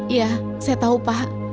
ya saya tahu pak